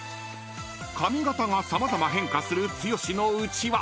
［髪形が様々変化する剛のうちわ］